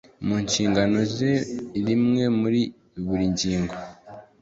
mu nshingano ze rimwe muri buri ngingo